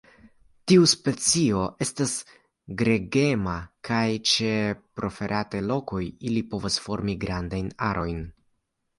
Tiu specio estas gregema, kaj ĉe preferataj lokoj ili povas formi grandajn arojn.